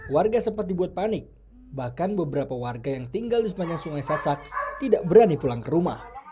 warga sempat dibuat panik bahkan beberapa warga yang tinggal di sepanjang sungai sasak tidak berani pulang ke rumah